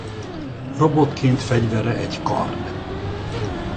Robotként fegyvere egy kard.